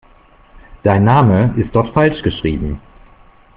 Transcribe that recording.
Dein Name ist dort falsch geschrieben.